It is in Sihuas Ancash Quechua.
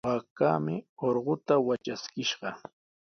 Waakaami urquta watraskishqa.